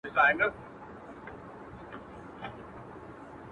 • یو پر بل یې جوړه کړې کربلا وه -